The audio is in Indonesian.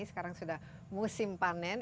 sekarang sudah musim panen